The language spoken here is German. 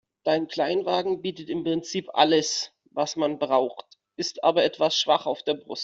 Dein Kleinwagen bietet im Prinzip alles, was man braucht, ist aber etwas schwach auf der Brust.